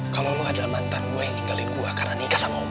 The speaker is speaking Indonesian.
kalau lo adalah mantan gue yang ninggalin gue karena nikah sama mama